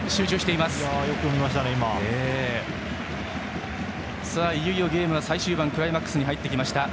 いよいよゲームは最終盤クライマックスに入ってきました。